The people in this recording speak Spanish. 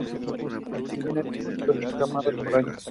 Tienen de dos a ocho camadas por año.